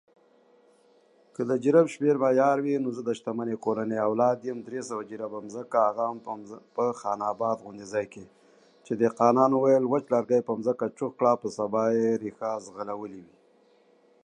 A physician assistant is a healthcare professional who works under and alongside a physician.